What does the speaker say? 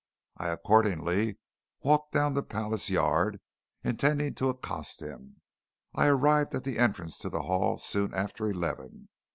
I accordingly walked down to Palace Yard, intending to accost him. I arrived at the entrance to the Hall soon after eleven.